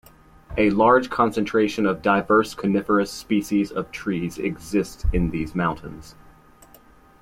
A large concentration of diverse coniferous species of trees exists in these mountains.